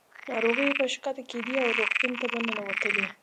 ناروغۍ به ښکته کېدې او روغتون ته به ننوتلې.